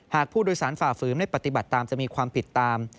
หากผู้โดยสารฝ่าฝืนได้ปฏิบัติตามจะมีความผิดตาม